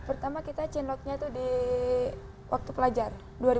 pertama kita chainlocknya itu di waktu pelajar dua ribu dua belas